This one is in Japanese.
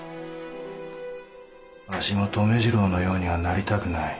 わしも留次郎のようにはなりたくない。